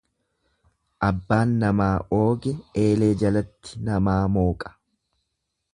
Abbaan namaa ooge eelee jalatti namaa mooqa.